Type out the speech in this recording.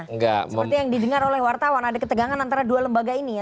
seperti yang didengar oleh wartawan ada ketegangan antara dua lembaga ini ya